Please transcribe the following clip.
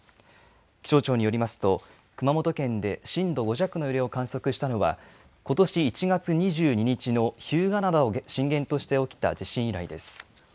気象庁によりますと熊本県で震度５弱の揺れを観測したのはことし１月２２日の日向灘を震源として起きた地震以来です。